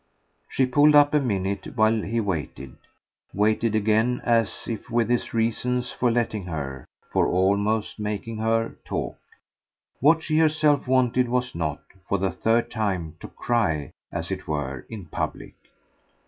She pulled up a minute while he waited waited again as if with his reasons for letting her, for almost making her, talk. What she herself wanted was not, for the third time, to cry, as it were, in public.